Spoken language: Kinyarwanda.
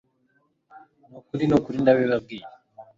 nukuri nukuri ndabibabwiye